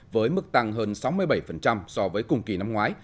với mức tăng hơn sáu mươi bảy so với cùng kỳ năm ngoái